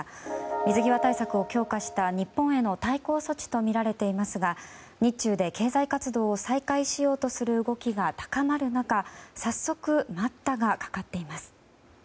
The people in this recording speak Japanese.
水際対策を強化した日本への対抗措置とみられていますが日中で経済活動を再開しようとする動きが高まる中、早速待ったがかかっています。